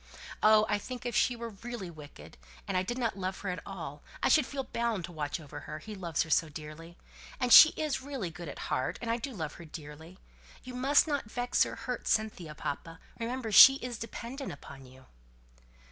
Oh! I think if she were really wicked, and I did not love her at all, I should feel bound to watch over her, he loves her so dearly. And she is really good at heart, and I do love her dearly. You must not vex or hurt Cynthia, papa, remember she is dependent upon you!"